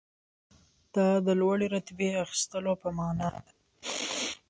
دا د لوړې رتبې اخیستلو په معنی ده.